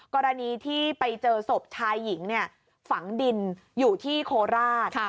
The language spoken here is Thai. กรณีที่ไปเจอศพชายหญิงฝังดินอยู่ที่โคราช